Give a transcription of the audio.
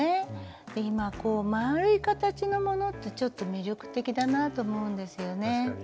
今丸い形のものってちょっと魅力的だなって思うんですよね。